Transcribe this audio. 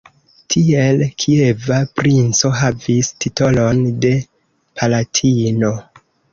Tiel, kieva princo havis titolon de "palatino".